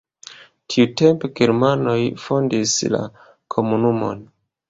Tiutempe germanoj fondis la komunumon.